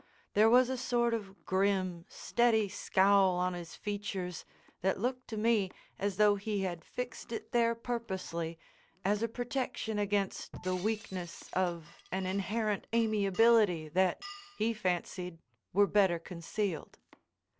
There was a sort of grim, steady scowl on his features that looked to me as though he had fixed it there purposely as a protection against the weakness of an inherent amiability that, he fancied, were better concealed.